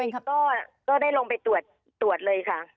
ก็ได้ลงไปตรวจเลยค่ะ